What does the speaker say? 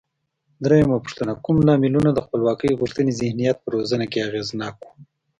درېمه پوښتنه: کوم لاملونه د خپلواکۍ غوښتنې ذهنیت په روزنه کې اغېزناک و؟